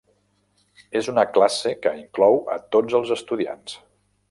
És una classe que inclou a tots els estudiants.